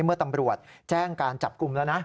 เมื่อตำรวจแจ้งการจับกลุ่มแล้วนะ